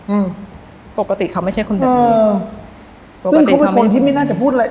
อืมปกติเขาไม่ใช่คนแบบนี้อืมปกติเหมือนเขาเป็นคนที่ไม่น่าจะพูดอะไร